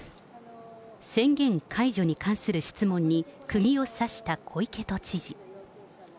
宣言解除に関する質問に、くぎを刺した小池都知事。